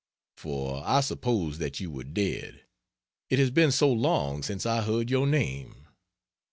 For I supposed that you were dead, it has been so long since I heard your name.